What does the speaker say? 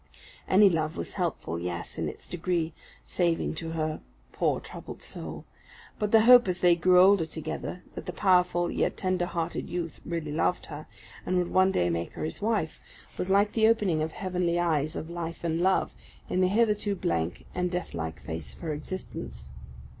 Any love was helpful, yes, in its degree, saving to her poor troubled soul; but the hope, as they grew older together, that the powerful, yet tender hearted youth, really loved her, and would one day make her his wife, was like the opening of heavenly eyes of life and love in the hitherto blank and deathlike face of her existence.